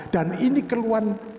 dan ini keluhan